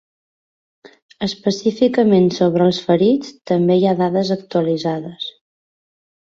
Específicament sobre els ferits, també hi ha dades actualitzades.